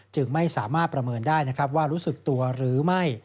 จึงไม่สามารถประเมินได้นะครับว่ารู้สึกตัวหรือไม่